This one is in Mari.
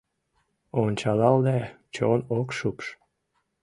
Ончалалде, чон ок шупш.